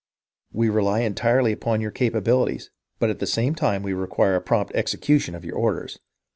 We rely entirely upon your abilities, but at the same time we require a prompt execution of our orders.